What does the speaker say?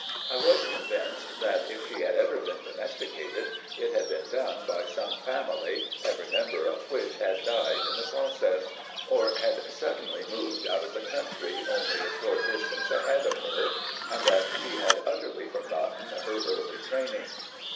I was convinced that, if she had ever been domesticated, it had been done by some family every member of which had died in the process, or had suddenly moved out of the country only a short distance ahead of her, and that she had utterly forgotten her early training.